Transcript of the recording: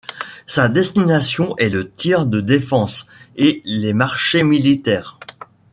Sa destination est le tir de défense et les marchés militaires.